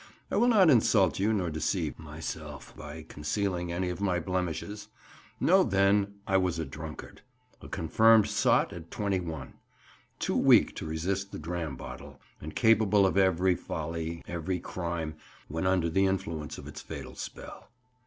I will not insult you, nor deceive myself, by concealing any of my blemishes. Know, then, I was a drunkard, a confirmed sot at 21, too weak to resist the dram bottle, and capable of every folly, every crime, when under the influence of its fatal spell.